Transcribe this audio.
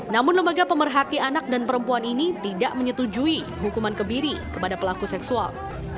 namun lembaga pemerhati anak dan perempuan ini tidak menyetujui hukuman kebiri kepada pelaku seksual